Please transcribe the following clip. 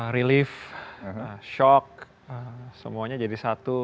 relief shock semuanya jadi satu